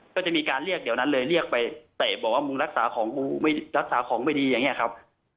ก็จะมีการเรียกเดี๋ยวนั้นเลยเรียกไปเตะบอกว่ามึงรักษาของกูไม่รักษาของไม่ดีอย่างนี้ครับ